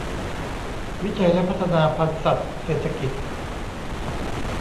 วิจัยและพัฒนาพันธุ์สัตว์เศรษฐกิจ